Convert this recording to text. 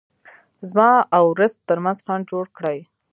زما او رزق ترمنځ خنډ جوړ کړي.